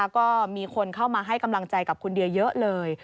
ก็มีคนเข้ามาให้กำลังใจกับคุณเดียเยอะเลย